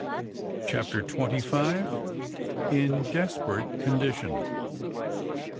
CHAPTER TWENTY FIVE. IN DESPERATE CONDITION.